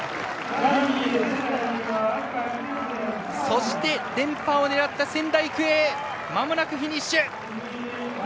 そして、連覇を狙った仙台育英フィニッシュ。